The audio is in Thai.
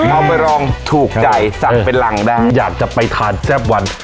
เอาไปรองถูกใจสั่งเป็นรังได้อยากจะไปทานแซ่บวัน